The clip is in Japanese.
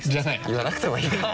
言わなくてもいいかな